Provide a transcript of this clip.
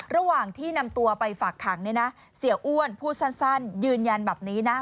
ระหว่างที่นำตัวไปฝากขังเนี่ยนะเสียอ้วนพูดสั้นยืนยันแบบนี้นะ